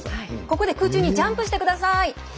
ここで空中にジャンプしてください。